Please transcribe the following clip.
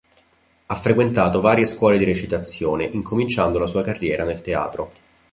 Ha frequentato varie scuole di recitazione, incominciando la sua carriera nel teatro.